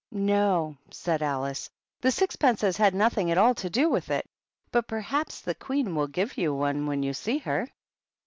" No,'' said Alice, " the sixpences had nothing at all to do with it ; but perhaps the Queen will give you one when you see her."